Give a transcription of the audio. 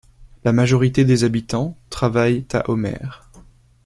La majorité des habitants travaillent à Homer.